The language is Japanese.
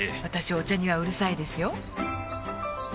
私お茶にはうるさいですよ